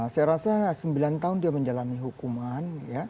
saya rasa sembilan tahun dia menjalani hukuman